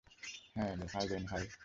High, ডেনহাই।